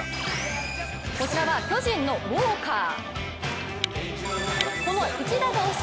こちらは巨人のウォーカー。